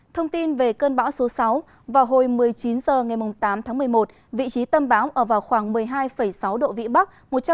thông tin về cơn bão số sáu vào hồi một mươi chín h ngày tám tháng một mươi một vị trí tâm bão ở vào khoảng một mươi hai sáu độ vĩ bắc